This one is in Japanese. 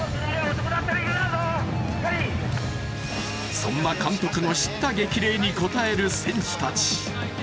そんな監督のしった激励に応える選手たち。